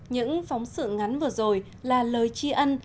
những phóng sự ngắn vừa rồi là lời tri ân